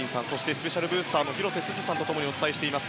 スペシャルブースターの広瀬すずさんと共にお伝えしています。